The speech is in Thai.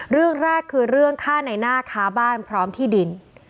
เรื่องแรกคือเรื่องฆ่าในหน้าค้าบ้านพร้อมที่ดิน